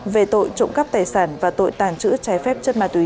về tội trộm cắp tài sản và tội tàn trữ trái phép chất ma tùy